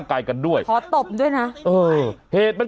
เปิดไฟขอทางออกมาแล้วอ่ะ